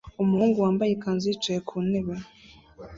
Umuhungu wambaye ikanzu yicaye ku ntebe